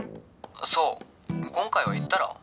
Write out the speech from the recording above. ☎そう今回は行ったら？